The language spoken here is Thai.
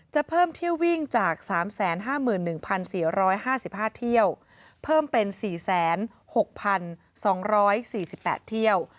จะเพิ่มเที่ยววิ่งจาก๓๕๑๔๕๕เที่ยวเพิ่มเป็น๔๖๒๔๘เที่ยว